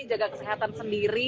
jaga kesehatan sendiri